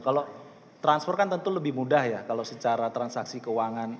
kalau transfer kan tentu lebih mudah ya kalau secara transaksi keuangan